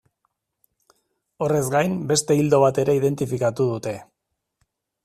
Horrez gain, beste ildo bat ere identifikatu dute.